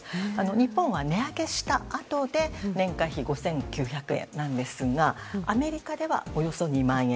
日本は値上げしたあとで年会費５９００円ですがアメリカではおよそ２万円。